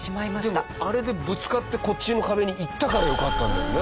でもあれでぶつかってこっちの壁に行ったからよかったんだよね